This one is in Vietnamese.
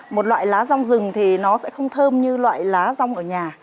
một loại lá rong rừng thì nó sẽ không thơm như loại lá rong ở nhà